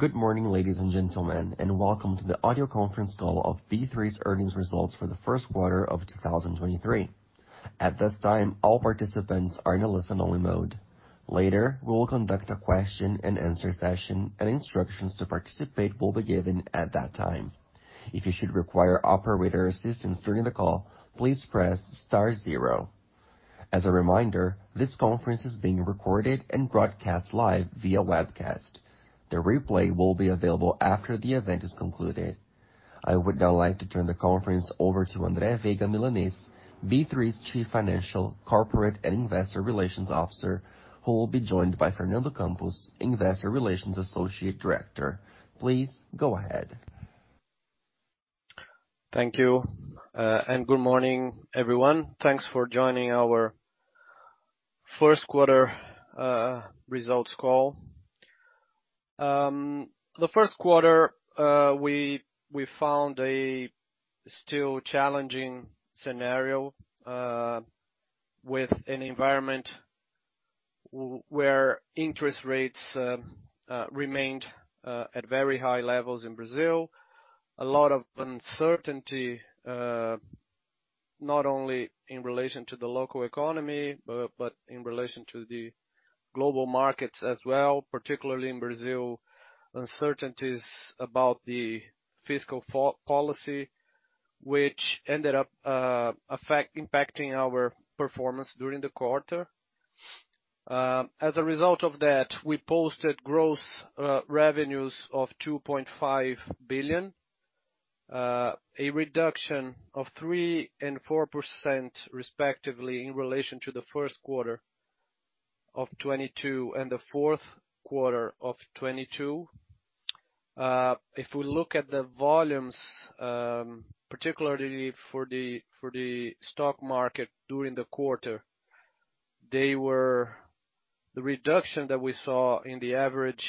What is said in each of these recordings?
Good morning, ladies and gentlemen, and welcome to the audio conference call of B3's earnings results for the first quarter of 2023. At this time, all participants are in a listen only mode. Later, we will conduct a question and answer session, and instructions to participate will be given at that time. If you should require operator assistance during the call, please press star zero. As a reminder, this conference is being recorded and broadcast live via webcast. The replay will be available after the event is concluded. I would now like to turn the conference over to André Veiga Milanez, B3's Chief Financial, Corporate and Investor Relations Officer, who will be joined by Fernando Campos, Investor Relations Associate Director. Please go ahead. Thank you. Good morning, everyone. Thanks for joining our first quarter results call. The first quarter, we found a still challenging scenario, with an environment where interest rates remained at very high levels in Brazil. A lot of uncertainty, not only in relation to the local economy, but in relation to the global markets as well. Particularly in Brazil, uncertainties about the fiscal policy, which ended up impacting our performance during the quarter. As a result of that, we posted gross revenues of 2.5 billion, a reduction of 3% and 4% respectively in relation to the first quarter of 2022 and the fourth quarter of 2022. If we look at the volumes, particularly for the stock market during the quarter, the reduction that we saw in the average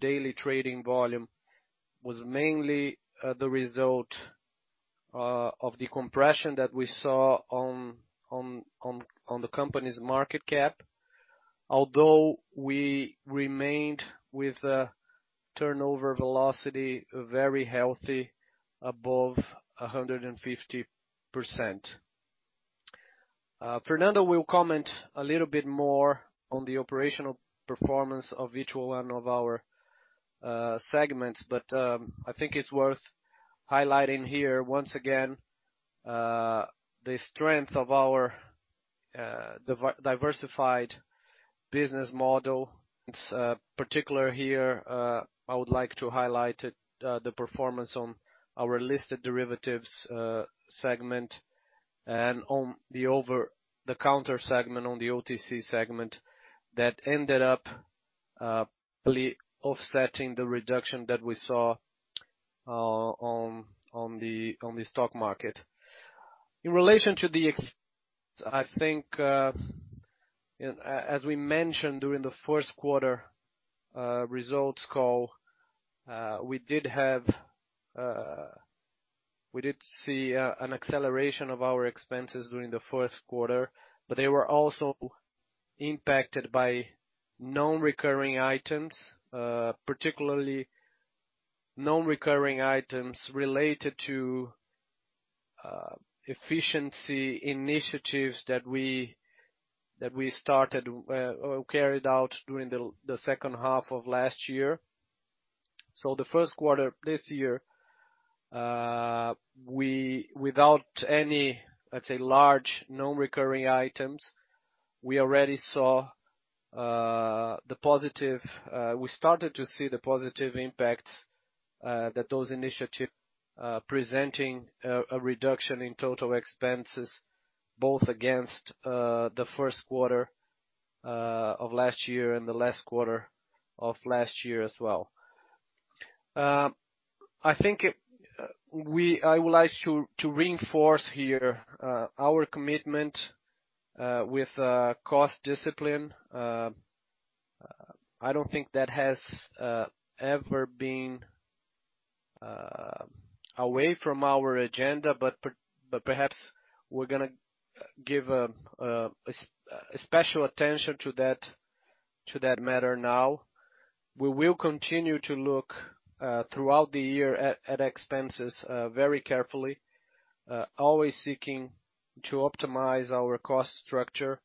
daily trading volume was mainly the result of the compression that we saw on the company's market cap. We remained with a turnover velocity very healthy above 150%. Fernando will comment a little bit more on the operational performance of each one of our segments. I think it's worth highlighting here once again the strength of our diversified business model. It's particular here, I would like to highlight it, the performance on our listed derivatives segment and on the over-the-counter segment, on the OTC segment that ended up offsetting the reduction that we saw on the stock market. In relation to, I think, as we mentioned during the first quarter results call, we did have, we did see an acceleration of our expenses during the first quarter. They were also impacted by non-recurring items, particularly non-recurring items related to efficiency initiatives that we started or carried out during the second half of last year. The first quarter this year, without any, let's say, large non-recurring items, we already saw the positive impacts that those initiative presenting a reduction in total expenses both against the first quarter of last year and the last quarter of last year as well. I think it, I would like to reinforce here our commitment with cost discipline. I don't think that has ever been away from our agenda, but perhaps we're gonna give a special attention to that, to that matter now. We will continue to look throughout the year at expenses very carefully, always seeking to optimize our cost structure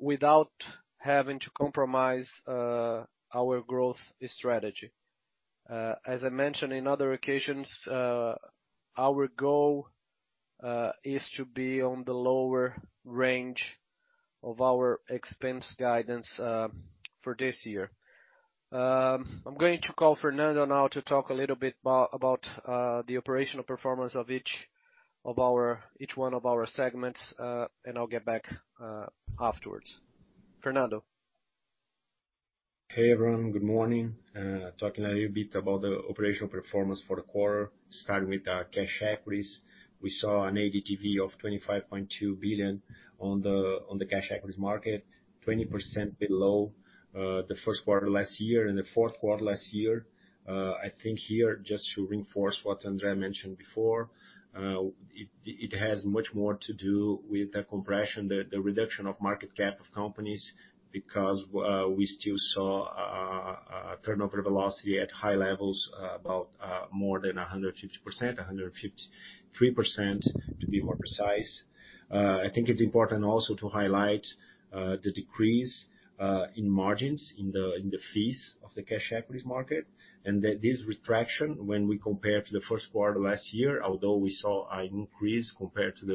without having to compromise our growth strategy. As I mentioned in other occasions, our goal is to be on the lower range of our expense guidance for this year. I'm going to call Fernando now to talk a little bit about the operational performance of each one of our segments, and I'll get back afterwards. Fernando. Hey, everyone. Good morning. Talking a little bit about the operational performance for the quarter, starting with our cash equities. We saw an ADTV of 25.2 billion on the cash equities market, 20% below the first quarter last year and the fourth quarter last year. I think here, just to reinforce what André mentioned before, it has much more to do with the compression, the reduction of market cap of companies because we still saw turnover velocity at high levels, about more than 150%, 153% to be more precise. I think it's important also to highlight the decrease in margins in the fees of the cash equities market, and that this retraction when we compare to the first quarter last year, although we saw an increase compared to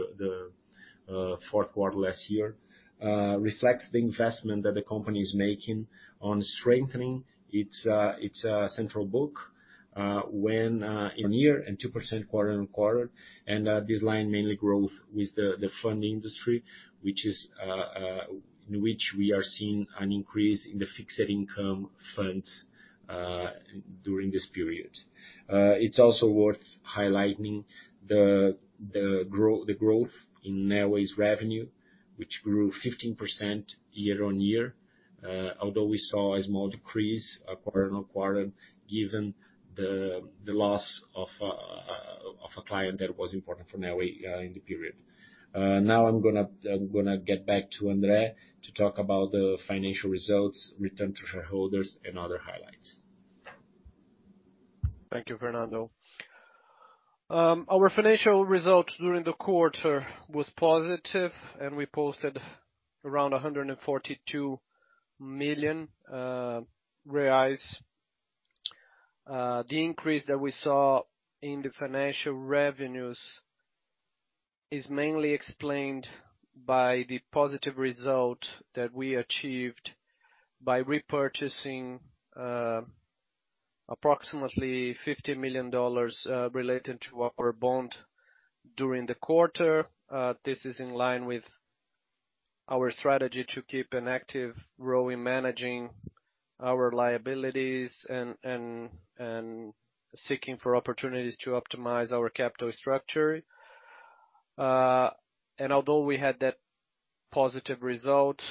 the fourth quarter last year, reflects the investment that the company is making on strengthening its Central Book, when in a year and 2% quarter-on-quarter. This line mainly growth with the funding industry, which is in which we are seeing an increase in the fixed income funds during this period. It's also worth highlighting the growth in Neoway's revenue, which grew 15% year-on-year, although we saw a small decrease quarter-on-quarter given the loss of a client that was important for Neoway in the period. Now I'm gonna get back to André to talk about the financial results, return to shareholders and other highlights. Thank you, Fernando. Our financial results during the quarter was positive, we posted around 142 million reais. The increase that we saw in the financial revenues is mainly explained by the positive result that we achieved by repurchasing approximately $50 million related to our bond during the quarter. This is in line with our strategy to keep an active role in managing our liabilities and seeking for opportunities to optimize our capital structure. Although we had that positive result,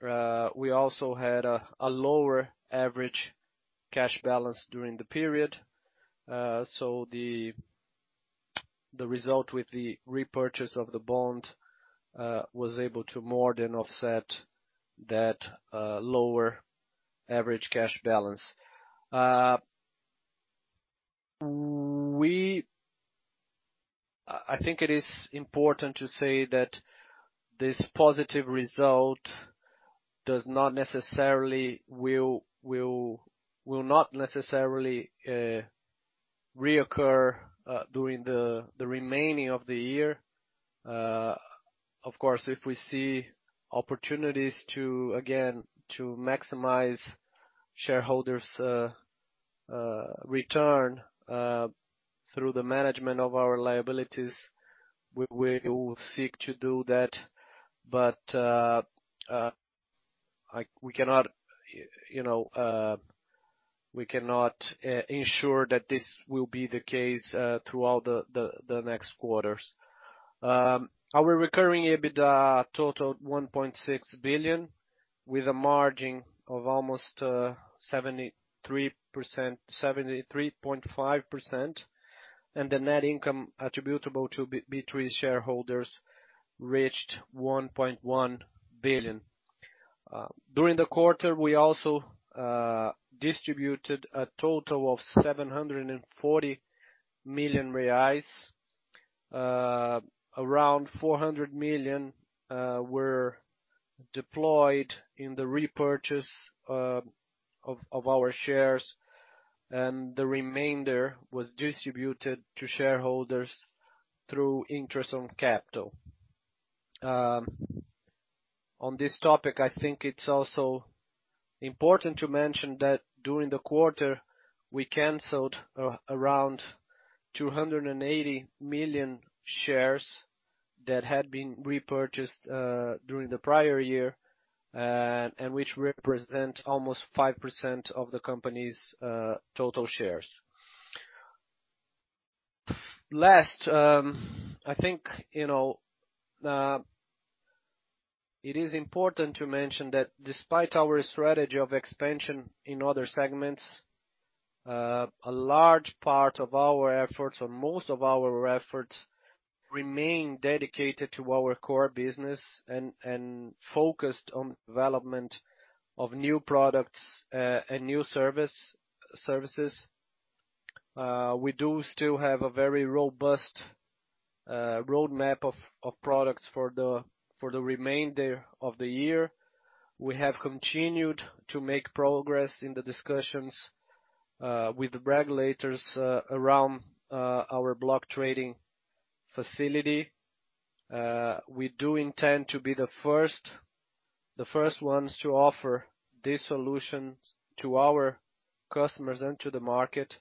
we also had a lower average cash balance during the period. The result with the repurchase of the bond was able to more than offset that lower average cash balance. I think it is important to say that this positive result does not necessarily will not necessarily reoccur during the remaining of the year. Of course, if we see opportunities to, again, to maximize shareholders' return, through the management of our liabilities, we will seek to do that. I, we cannot, you know, we cannot ensure that this will be the case throughout the next quarters. Our recurring EBITDA totaled 1.6 billion, with a margin of almost 73%, 73.5%, and the net income attributable to B3 shareholders reached 1.1 billion. During the quarter, we also distributed a total of 740 million reais. Around 400 million were deployed in the repurchase of our shares, the remainder was distributed to shareholders through interest on capital. On this topic, I think it's also important to mention that during the quarter, we canceled around 280 million shares that had been repurchased during the prior year, and which represent almost 5% of the company's total shares. Last, I think, you know, it is important to mention that despite our strategy of expansion in other segments, a large part of our efforts or most of our efforts remain dedicated to our core business and focused on development of new products and new services. We do still have a very robust roadmap of products for the remainder of the year. We have continued to make progress in the discussions with the regulators around our block trading facility. We do intend to be the first ones to offer these solutions to our customers and to the market.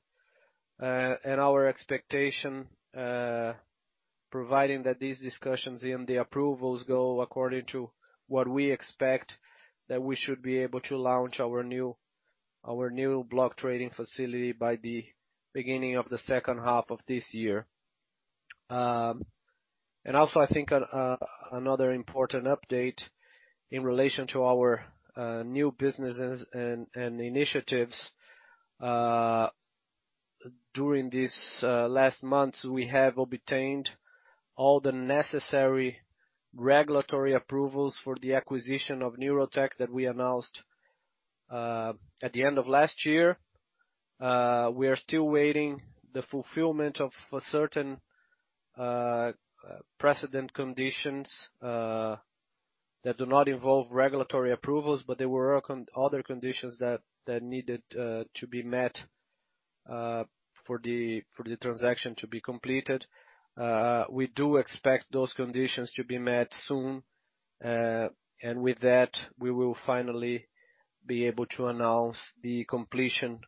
Our expectation, providing that these discussions and the approvals go according to what we expect, that we should be able to launch our new block trading facility by the beginning of the second half of this year. Also, I think another important update in relation to our new businesses and initiatives during these last months, we have obtained all the necessary regulatory approvals for the acquisition of Neurotech that we announced at the end of last year. We are still waiting the fulfillment of, for certain, precedent conditions that do not involve regulatory approvals, but there were other conditions that needed to be met for the transaction to be completed. We do expect those conditions to be met soon. With that, we will finally be able to announce the completion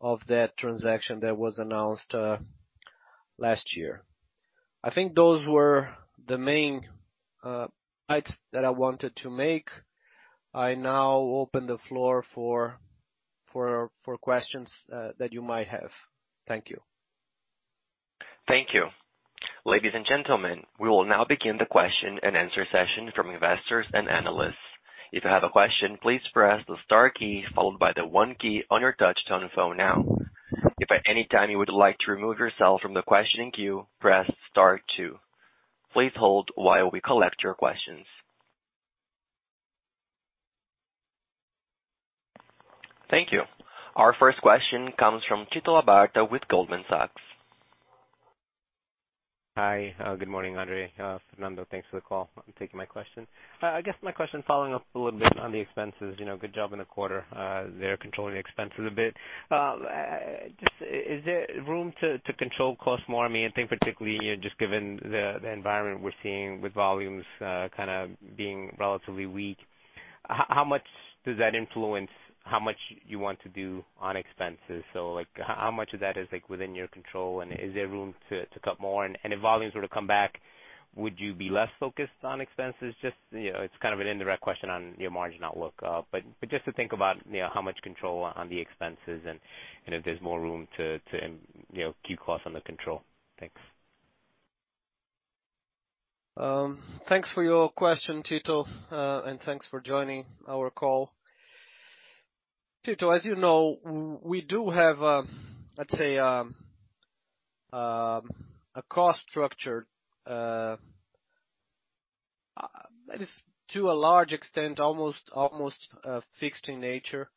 of that transaction that was announced last year. I think those were the main points that I wanted to make. I now open the floor for questions that you might have. Thank you. Thank you. Ladies and gentlemen, we will now begin the question and answer session from investors and analysts. If you have a question, please press the star key followed by the one key on your touch tone phone now. If at any time you would like to remove yourself from the questioning queue, press star two. Please hold while we collect your questions. Thank you. Our first question comes from Tito Labarta with Goldman Sachs. Hi, good morning, André. Fernando, thanks for the call and taking my question. I guess my question following up a little bit on the expenses, you know, good job in the quarter, there controlling the expenses a bit. Just is there room to control costs more? I mean, I think particularly just given the environment we're seeing with volumes, kinda being relatively weak, how much does that influence how much you want to do on expenses? Like how much of that is like, within your control? And is there room to cut more? And if volumes were to come back, would you be less focused on expenses? Just, you know, it's kind of an indirect question on your margin outlook. Just to think about, you know, how much control on the expenses and, if there's more room to, you know, keep costs under control. Thanks. Thanks for your question, Tito. Thanks for joining our call. Tito, as you know, we do have, let's say, a cost structure that is to a large extent, almost fixed in nature.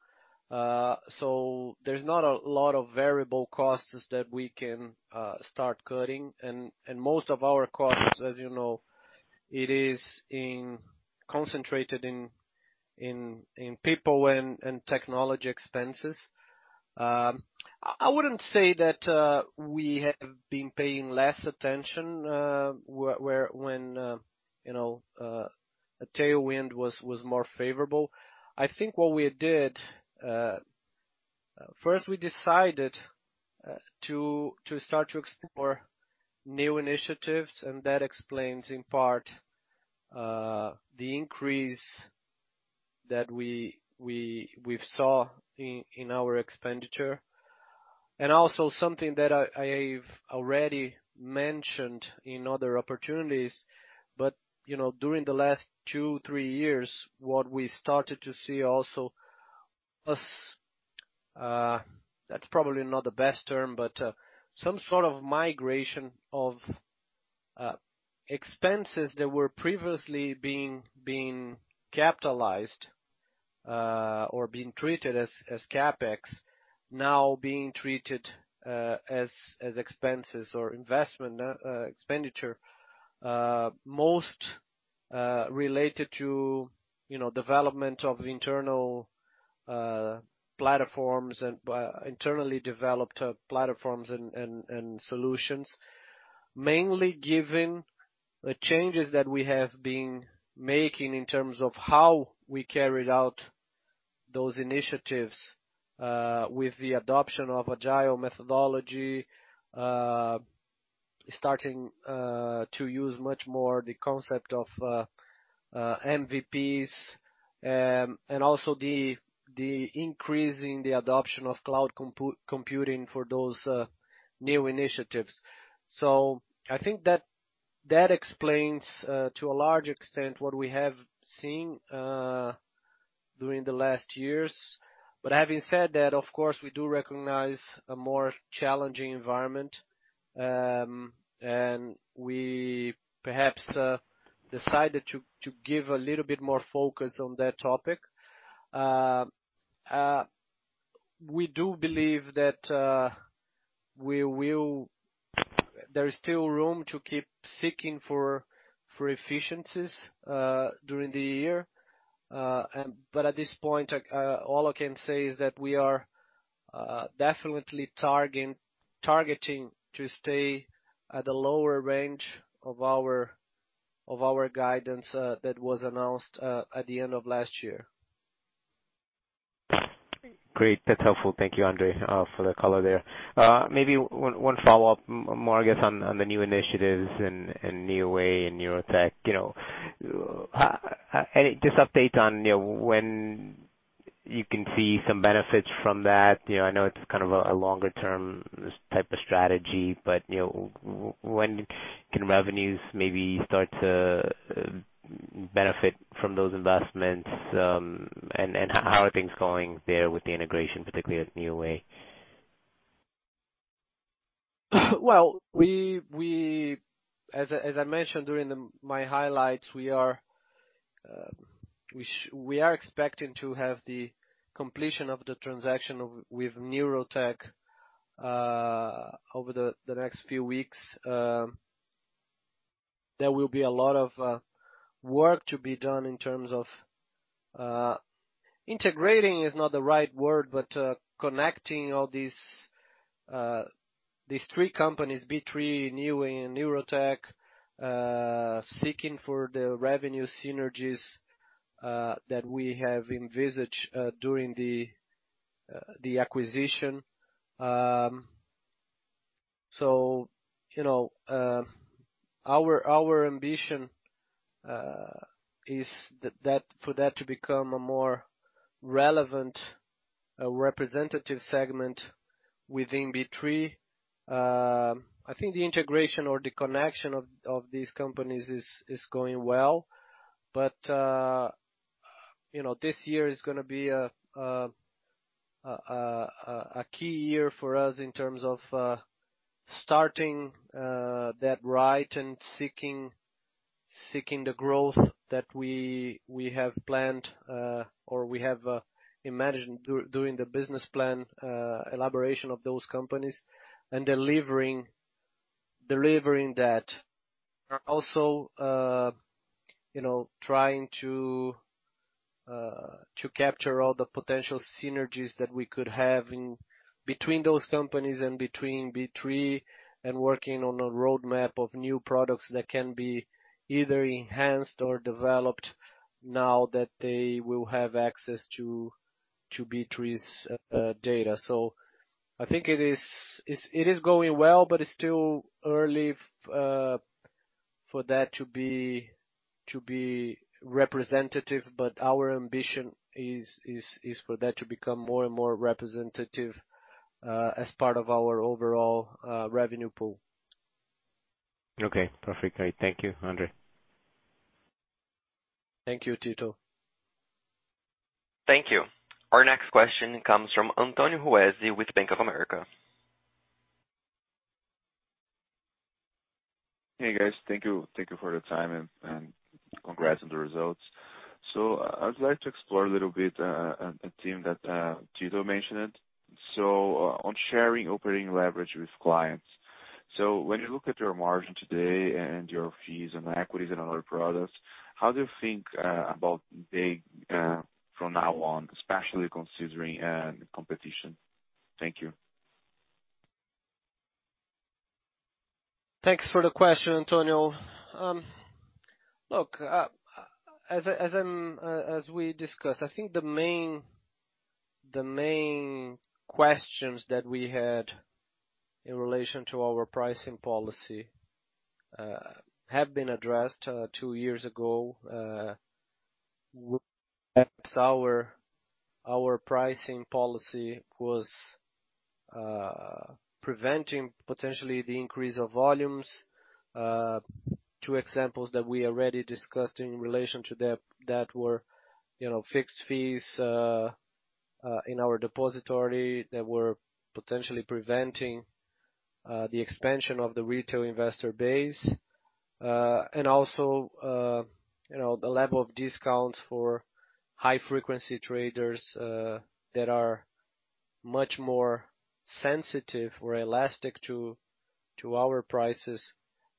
There's not a lot of variable costs that we can start cutting. Most of our costs, as you know, it is concentrated in people and technology expenses. I wouldn't say that we have been paying less attention when, you know, a tailwind was more favorable. I think what we did, first we decided to start to explore new initiatives, and that explains in part the increase that we've saw in our expenditure. Also something that I've already mentioned in other opportunities, but, you know, during the last two, three years, what we started to see also was, that's probably not the best term, but, some sort of migration of expenses that were previously being capitalized, or being treated as CapEx now being treated as expenses or investment expenditure, most related to, you know, development of internal platforms and internally developed platforms and solutions. Mainly given the changes that we have been making in terms of how we carried out those initiatives, with the adoption of agile methodology, starting to use much more the concept of MVPs, and also the increase in the adoption of cloud computing for those new initiatives. I think that explains to a large extent what we have seen during the last years. Having said that, of course, we do recognize a more challenging environment. We perhaps decided to give a little bit more focus on that topic. We do believe that there is still room to keep seeking for efficiencies during the year. At this point, all I can say is that we are definitely targeting to stay at the lower range of our guidance, that was announced at the end of last year. Great. That's helpful. Thank you, André, for the color there. Maybe one follow-up more I guess on the new initiatives and Neoway and Neurotech, you know. Just update on, you know, when you can see some benefits from that. You know, I know it's kind of a longer term type of strategy, but, you know, when can revenues maybe start to benefit from those investments? And how are things going there with the integration, particularly with Neoway? We as I mentioned during my highlights, we are expecting to have the completion of the transaction with Neurotech over the next few weeks. There will be a lot of work to be done in terms of integrating is not the right word, but connecting all these three companies, B3, Neoway, Neurotech, seeking for the revenue synergies that we have envisaged during the acquisition. You know, our ambition is for that to become a more relevant, representative segment within B3. I think the integration or the connection of these companies is going well. You know, this year is gonna be a key year for us in terms of starting that right and seeking the growth that we have planned or we have imagined during the business plan elaboration of those companies and delivering that. Also, you know, trying to capture all the potential synergies that we could have in between those companies and between B3 and working on a roadmap of new products that can be either enhanced or developed now that they will have access to B3's data. I think it is going well, but it's still early for that to be representative. Our ambition is for that to become more and more representative, as part of our overall revenue pool. Okay. Perfect. Thank you, André. Thank you, Tito. Thank you. Our next question comes from Antonio Ruette with Bank of America. Hey, guys. Thank you. Thank you for the time and congrats on the results. I'd like to explore a little bit, a theme that Tito mentioned. On sharing operating leverage with clients. When you look at your margin today and your fees and equities and other products, how do you think about being from now on, especially considering competition? Thank you. Thanks for the question, Antonio. Look, as we discussed, I think the main, the main questions that we had in relation to our pricing policy have been addressed two years ago. Our pricing policy was preventing potentially the increase of volumes. Two examples that we already discussed in relation to that were, you know, fixed fees in our depository that were potentially preventing the expansion of the retail investor base. Also, you know, the level of discounts for high frequency traders that are much more sensitive or elastic to our prices,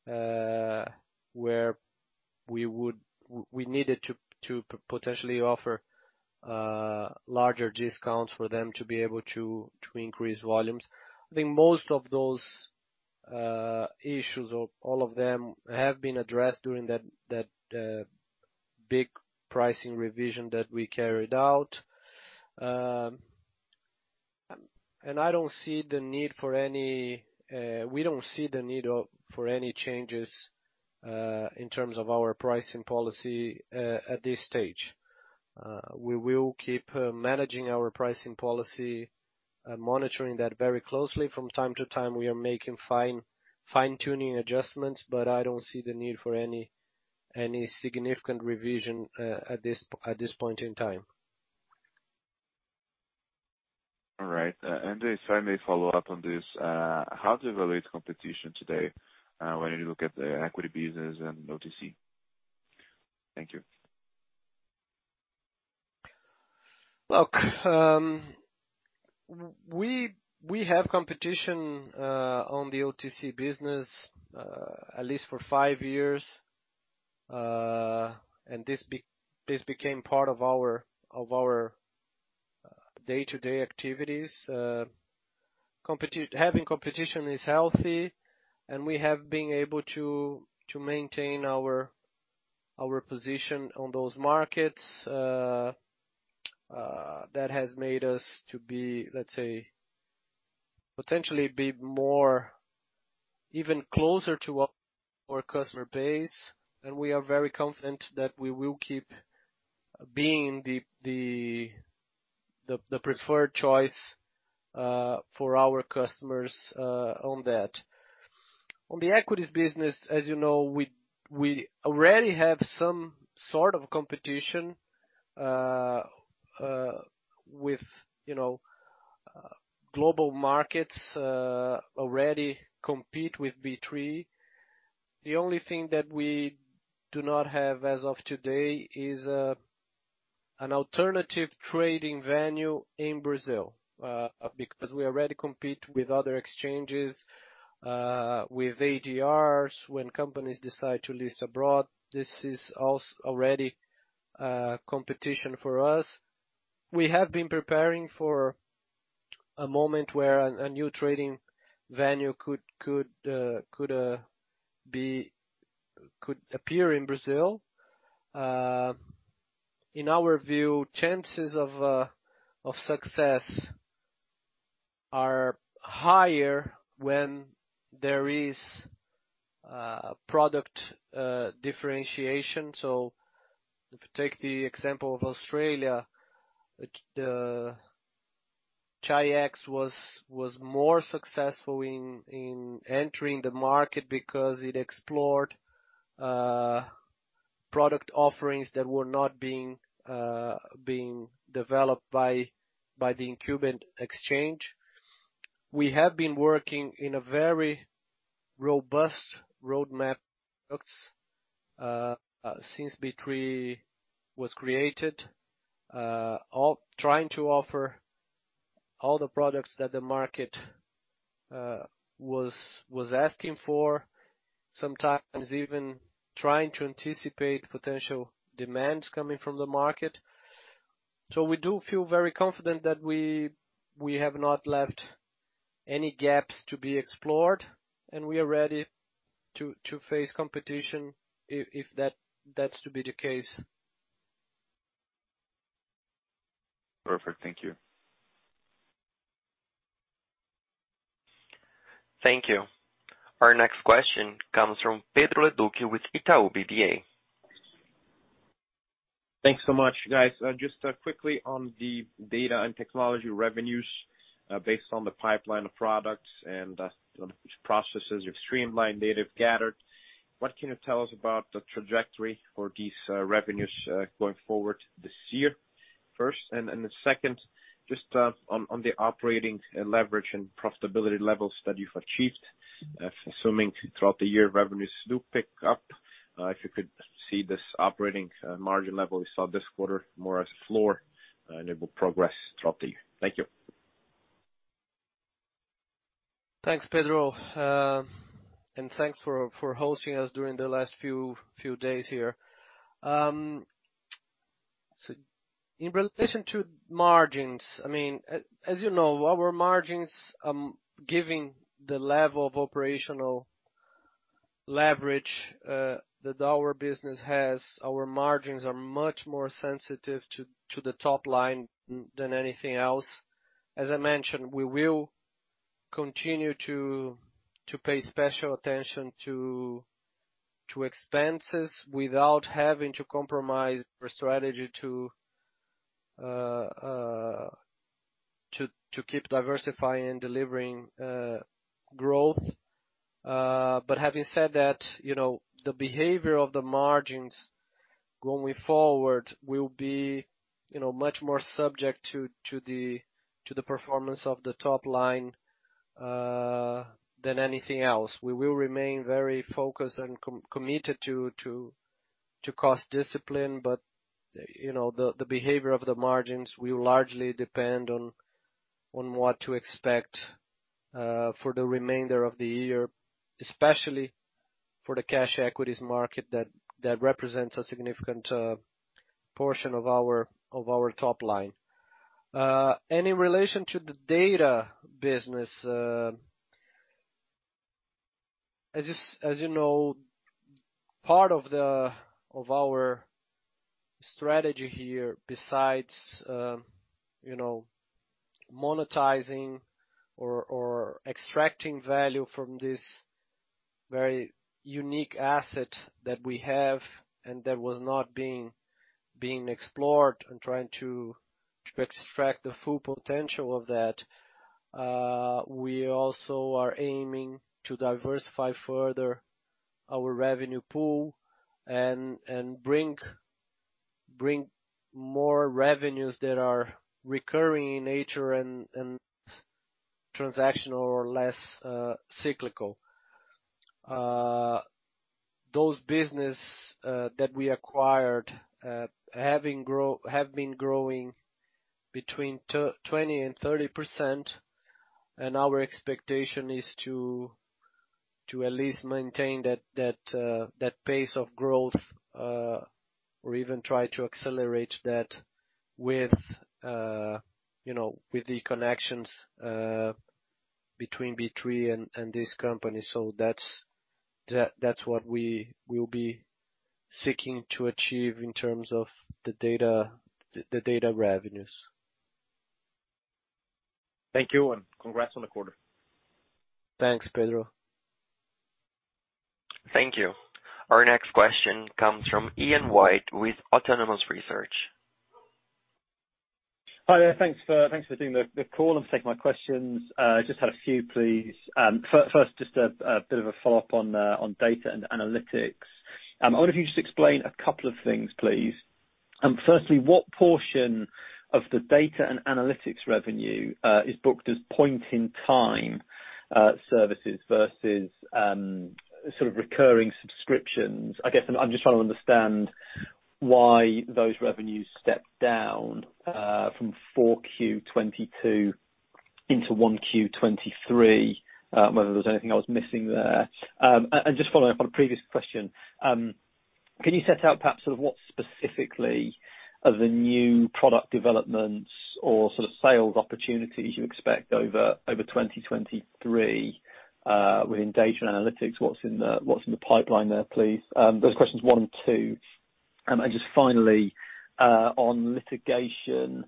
where we needed to potentially offer larger discounts for them to be able to increase volumes. I think most of those issues, or all of them, have been addressed during that big pricing revision that we carried out. We don't see the need for any changes in terms of our pricing policy at this stage. We will keep managing our pricing policy and monitoring that very closely. From time to time, we are making fine-tuning adjustments, but I don't see the need for any significant revision at this point in time. All right. André, if I may follow up on this, how do you evaluate competition today, when you look at the equity business and OTC? Thank you. Look, we have competition on the OTC business at least for five years. This became part of our day-to-day activities. Having competition is healthy, and we have been able to maintain our position on those markets. That has made us to be, let's say, potentially be more even closer to our customer base. We are very confident that we will keep being the preferred choice for our customers on that. On the equities business, as you know, we already have some sort of competition with, you know, global markets already compete with B3. The only thing that we do not have as of today is an alternative trading venue in Brazil because we already compete with other exchanges with ADRs when companies decide to list abroad. This is already competition for us. We have been preparing for a moment where a new trading venue could appear in Brazil. In our view, chances of success are higher when there is product differentiation. If you take the example of Australia, which the Chi-X was more successful in entering the market because it explored product offerings that were not being developed by the incumbent exchange. We have been working in a very robust roadmap products since B3 was created. All trying to offer all the products that the market was asking for, sometimes even trying to anticipate potential demands coming from the market. We do feel very confident that we have not left any gaps to be explored, and we are ready to face competition if that's to be the case. Perfect. Thank you. Thank you. Our next question comes from Pedro Leduc with Itaú BBA. Thanks so much, guys. Just quickly on the data and technology revenues, based on the pipeline of products and processes you've streamlined, data gathered, what can you tell us about the trajectory for these revenues going forward this year, first? The second, just on the operating leverage and profitability levels that you've achieved, assuming throughout the year revenues do pick up, if you could see this operating margin level we saw this quarter more as a floor and it will progress throughout the year. Thank you. Thanks, Pedro. Thanks for hosting us during the last few days here. In relation to margins, I mean, as you know, our margins, giving the level of operational leverage that our business has, our margins are much more sensitive to the top line than anything else. As I mentioned, we will continue to pay special attention to expenses without having to compromise our strategy to keep diversifying and delivering growth. Having said that, you know, the behavior of the margins going forward will be, you know, much more subject to the performance of the top line than anything else. We will remain very focused and committed to cost discipline. You know, the behavior of the margins will largely depend on what to expect for the remainder of the year, especially for the cash equities market that represents a significant portion of our, of our top line. And in relation to the data business, as you know, of our strategy here, besides, you know, monetizing or extracting value from this very unique asset that we have and that was not being explored and trying to extract the full potential of that, we also are aiming to diversify further our revenue pool and bring more revenues that are recurring in nature and transactional or less cyclical. Those business that we acquired, have been growing between 20 and 30%, and our expectation is to at least maintain that pace of growth, or even try to accelerate that with, you know, with the connections, between B3 and this company. That's what we will be seeking to achieve in terms of the data revenues. Thank you, and congrats on the quarter. Thanks, Pedro. Thank you. Our next question comes from Ian White with Autonomous Research. Hi there. Thanks for doing the call and taking my questions. I just have a few please. First, just a bit of a follow-up on data and analytics. I wonder if you could just explain a couple of things please. Firstly, what portion of the data and analytics revenue is booked as point in time services versus sort of recurring subscriptions? I guess I'm just trying to understand why those revenues stepped down from Q4 2022 into Q1 2023, whether there was anything I was missing there. Just following up on a previous question, can you set out perhaps sort of what specifically are the new product developments or sort of sales opportunities you expect over 2023 within data and analytics? What's in the pipeline there please? Those are questions one and two. Just finally, on litigation,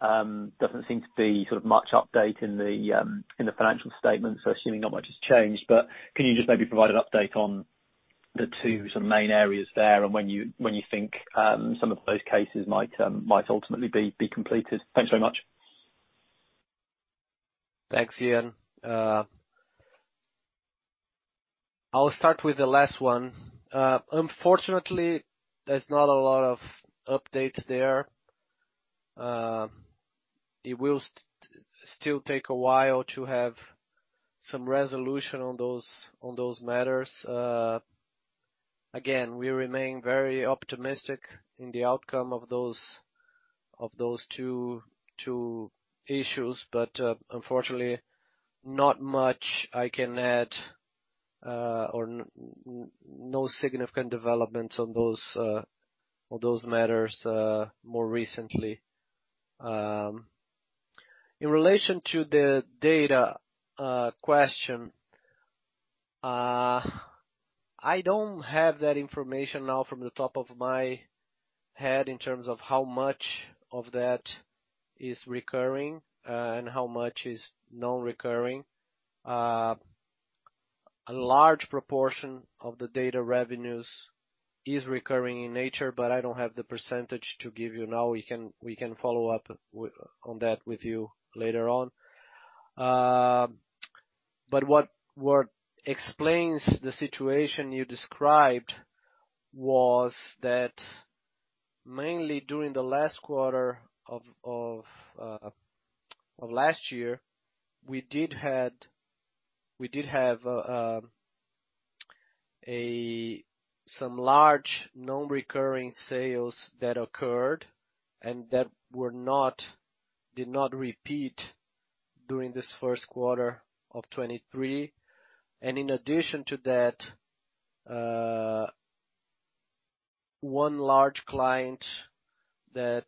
doesn't seem to be sort of much update in the financial statements, so assuming not much has changed. Can you just maybe provide an update on the two sort of main areas there and when you think, some of those cases might ultimately be completed? Thanks very much. Thanks, Ian. I'll start with the last one. Unfortunately, there's not a lot of update there. It will still take a while to have some resolution on those matters. Again, we remain very optimistic in the outcome of those two issues, but unfortunately, not much I can add or no significant developments on those matters more recently. In relation to the data question, I don't have that information now from the top of my head in terms of how much of that is recurring and how much is non-recurring. A large proportion of the data revenues is recurring in nature, but I don't have the percentage to give you now. We can follow up on that with you later on. What explains the situation you described was that mainly during the last quarter of last year, we did have some large non-recurring sales that occurred and that did not repeat during this first quarter of 2023. In addition to that, one large client that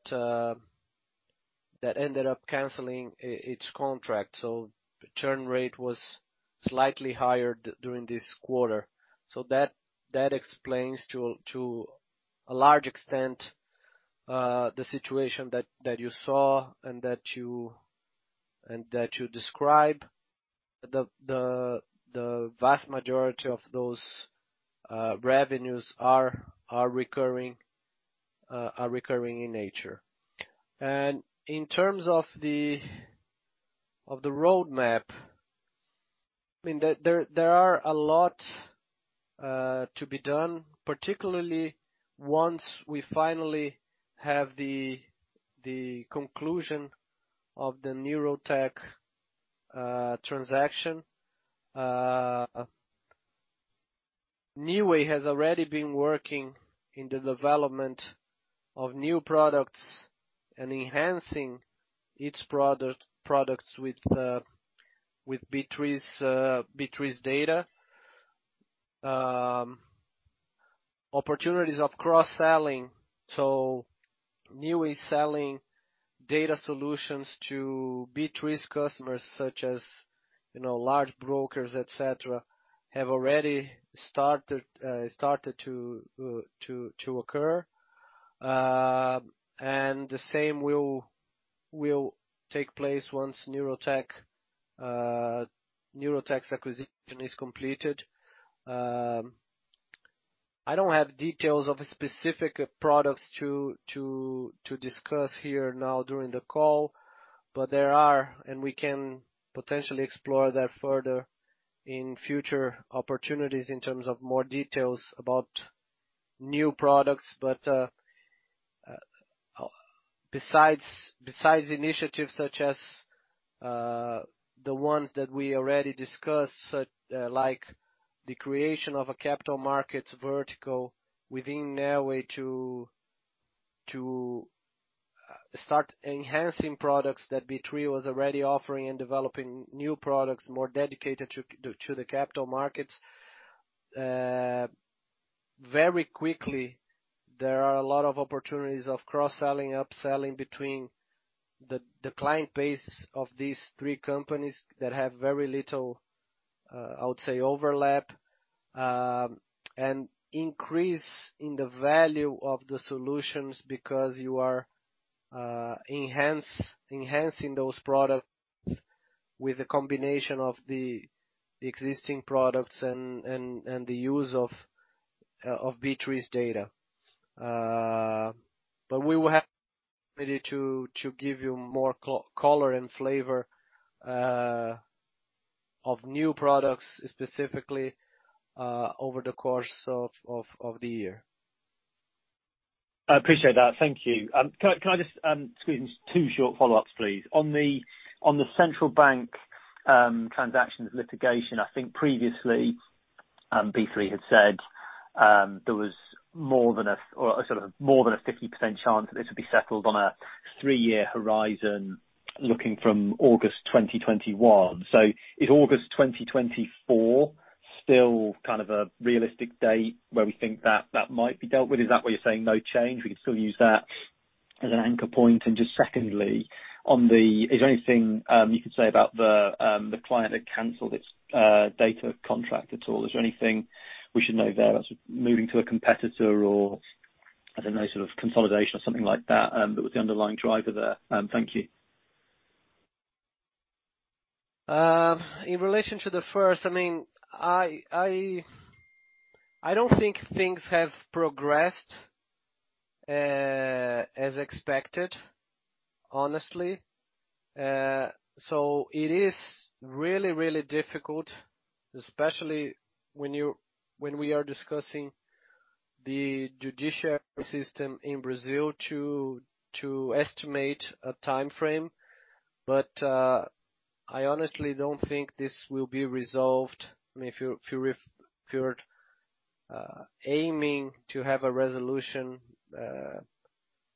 ended up canceling its contract. The churn rate was slightly higher during this quarter. That explains to a large extent the situation that you saw and that you describe. The vast majority of those revenues are recurring in nature. In terms of the roadmap, I mean, there are a lot to be done, particularly once we finally have the conclusion of the Neurotech transaction. Neoway has already been working in the development of new products and enhancing its products with B3's data. Opportunities of cross-selling, so Neoway selling data solutions to B3's customers such as, you know, large brokers, et cetera, have already started to occur. The same will take place once Neurotech's acquisition is completed. I don't have details of specific products to discuss here now during the call, but there are, and we can potentially explore that further in future opportunities in terms of more details about new products. Besides initiatives such as the ones that we already discussed, like the creation of a capital markets vertical within Neoway to start enhancing products that B3 was already offering and developing new products more dedicated to the capital markets. Very quickly, there are a lot of opportunities of cross-selling, upselling between the client base of these three companies that have very little, I would say, overlap, and increase in the value of the solutions because you are enhancing those products with the combination of the existing products and the use of B3's data. But we will have maybe to give you more color and flavor of new products specifically over the course of the year. I appreciate that. Thank you. Can I just squeeze in two short follow-ups, please? On the central bank transactions litigation, I think previously B3 had said there was more than a 50% chance that this would be settled on a three-year horizon looking from August 2021. Is August 2024 still kind of a realistic date where we think that that might be dealt with? Is that why you're saying no change, we could still use that as an anchor point? Just secondly, is there anything you can say about the client that canceled its data contract at all? Is there anything we should know there that's moving to a competitor or, I don't know, sort of consolidation or something like that was the underlying driver there? Thank you. In relation to the first, I mean, I don't think things have progressed as expected, honestly. So it is really, really difficult, especially when we are discussing the judiciary system in Brazil to estimate a timeframe. I honestly don't think this will be resolved. I mean, if you're aiming to have a resolution,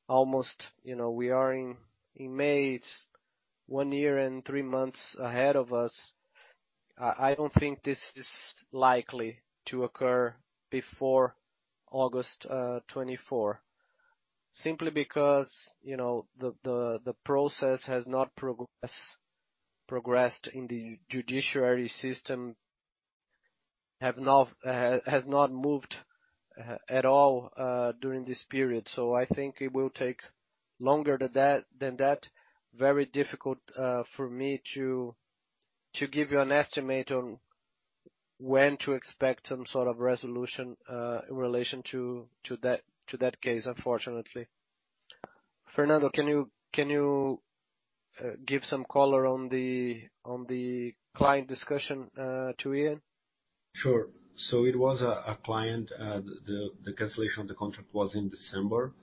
almost, you know, we are in May, it's one year and three months ahead of us. I don't think this is likely to occur before August 2024. Simply because, you know, the process has not progressed in the judiciary system, has not moved at all during this period. I think it will take longer than that. Very difficult, for me to give you an estimate on when to expect some sort of resolution, in relation to that case, unfortunately. Fernando, can you give some color on the client discussion, to Ian? Sure. It was a client. The cancellation of the contract was in December.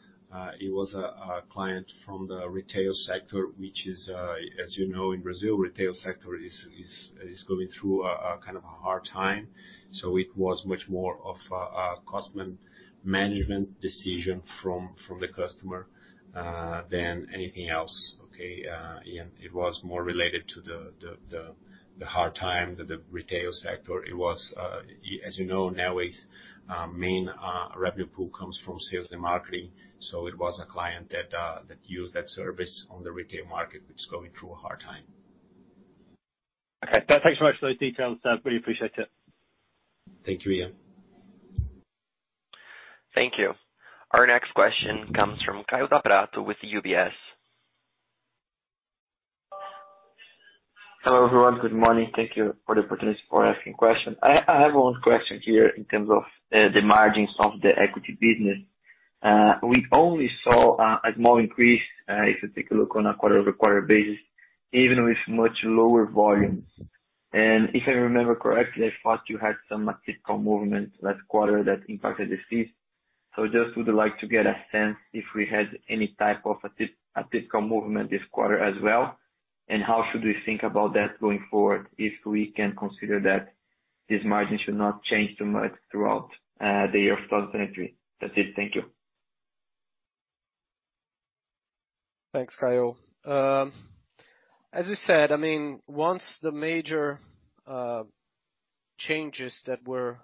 It was a client from the retail sector, which is as you know, in Brazil, retail sector is going through a kind of a hard time. It was much more of a cost man-management decision from the customer than anything else, okay, Ian. It was more related to the hard time that the retail sector. It was as you know, Neoway main revenue pool comes from sales and marketing, so it was a client that used that service on the retail market, which is going through a hard time. Okay. Thanks so much for those details. Really appreciate it. Thank you, Ian. Thank you. Our next question comes from Kaio Da Prato with UBS. Hello, everyone. Good morning. Thank you for the opportunity for asking questions. I have one question here in terms of the margins of the equity business. We only saw a small increase if you take a look on a quarter-over-quarter basis, even with much lower volumes. If I remember correctly, I thought you had some atypical movement last quarter that impacted the fees. Just would like to get a sense if we had any type of atypical movement this quarter as well, and how should we think about that going forward, if we can consider that this margin should not change too much throughout the year of 2023. That's it. Thank you. Thanks, Kaio. As we said, I mean, once the major changes that were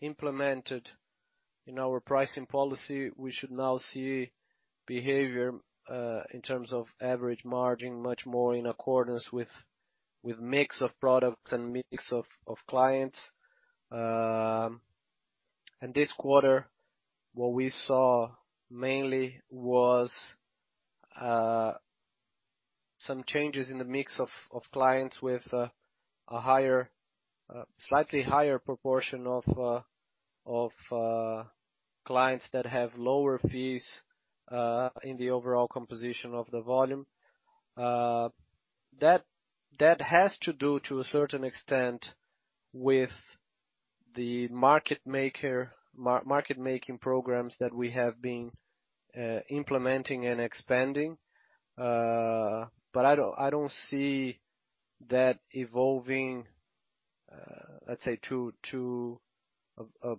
implemented in our pricing policy, we should now see behavior in terms of average margin, much more in accordance with mix of products and mix of clients. This quarter, what we saw mainly was some changes in the mix of clients with a higher, slightly higher proportion of clients that have lower fees, in the overall composition of the volume. That has to do, to a certain extent, with the market making programs that we have been implementing and expanding. I don't see that evolving, let's say to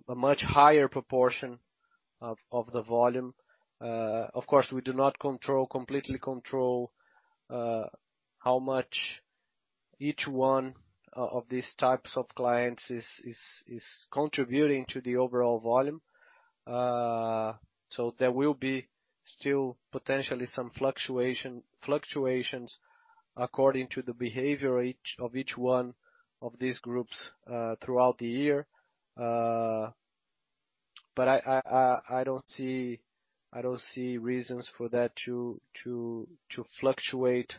a much higher proportion of the volume. Of course, we do not control, completely control, how much each one of these types of clients is contributing to the overall volume. There will be still potentially some fluctuations according to the behavior of each one of these groups throughout the year. I don't see reasons for that to fluctuate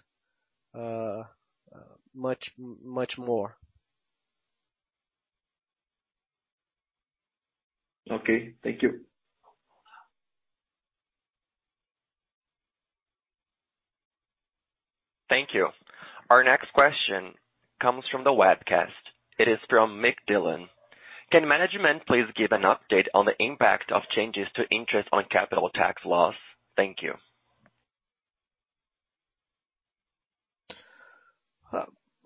much more. Okay. Thank you. Thank you. Our next question comes from the webcast. It is from Mick Dillon. Can management please give an update on the impact of changes to interest on capital tax laws? Thank you.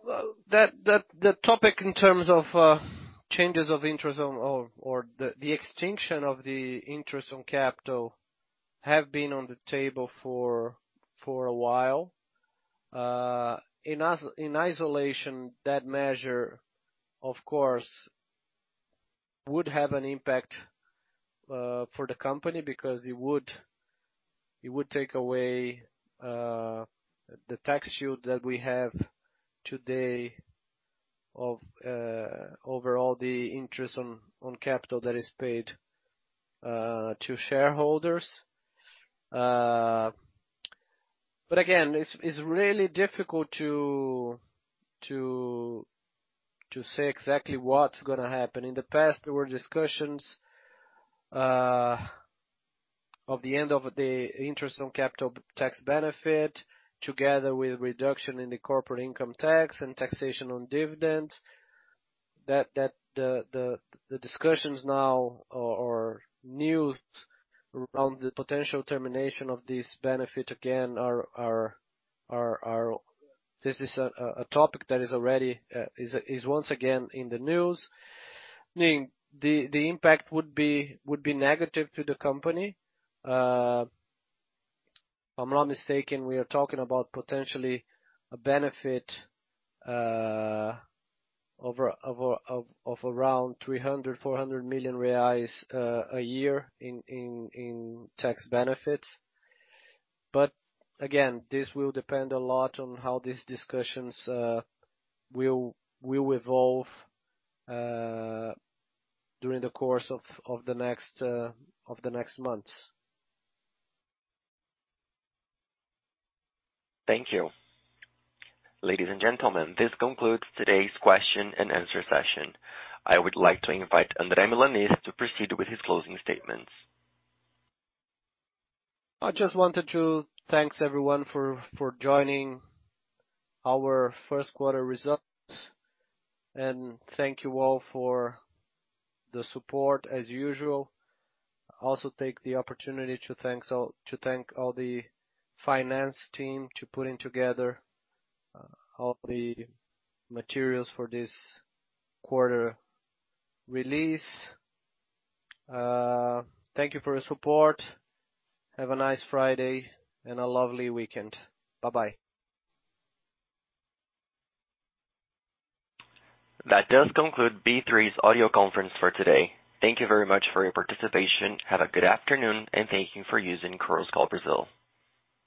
Well, the topic in terms of changes of Interest on Capital or the extinction of the Interest on Capital have been on the table for a while. In isolation, that measure, of course, would have an impact for the company because it would take away the tax shield that we have today of over all the Interest on Capital that is paid to shareholders. Again, it's really difficult to say exactly what's gonna happen. In the past, there were discussions of the end of the Interest on Capital tax benefit together with reduction in the corporate income tax and taxation on dividends. The discussions now or news around the potential termination of this benefit again are... This is a topic that is already once again in the news. Meaning the impact would be negative to the company. If I'm not mistaken, we are talking about potentially a benefit of around 300 million-400 million reais a year in tax benefits. Again, this will depend a lot on how these discussions will evolve during the course of the next months. Thank you. Ladies and gentlemen, this concludes today's question and answer session. I would like to invite André Milanez to proceed with his closing statements. I just wanted to thanks everyone for joining our first quarter results, and thank you all for the support as usual. Also take the opportunity to thank all the finance team to putting together all the materials for this quarter release. Thank you for your support. Have a nice Friday and a lovely weekend. Bye-bye. That does conclude B3's audio conference for today. Thank you very much for your participation. Have a good afternoon, and thank you for using Chorus Call Brazil.